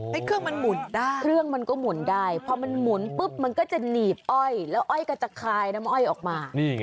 เครื่องมันหมุนได้เครื่องมันก็หมุนได้พอมันหมุนปุ๊บมันก็จะหนีบอ้อยแล้วอ้อยก็จะคลายน้ำอ้อยออกมา